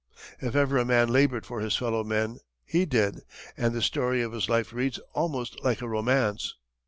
If ever a man labored for his fellow men, he did, and the story of his life reads almost like a romance.